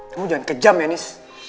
kamu jangan kejam ya nis